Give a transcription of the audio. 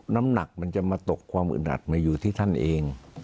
น้ำหนักมันจะมาตกความอึดอัดมาอยู่ที่ท่านเอง